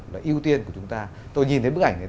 là ưu tiên của chúng ta tôi nhìn thấy bức ảnh này